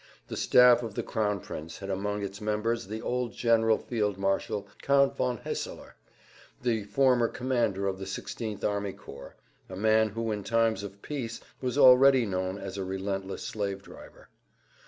The staff of the Crown Prince had among its members the old General Fieldmarshal Count von Haeseler, the former commander of the 16th Army Corps, a man who in times of peace was already known as a relentless slave driver.